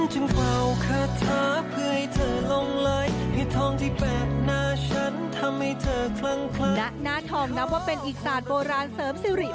หน้าทองนับว่าเป็นอีกศาสตร์โบราณเสริมสิริ